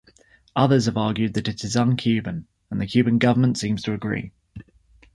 Others have argued that it is un-Cuban, and the Cuban government seems to agree.